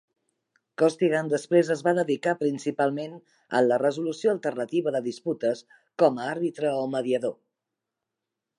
Costigan després es va dedicar principalment en la resolució alternativa de disputes, com a àrbitre o mediador.